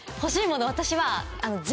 私は。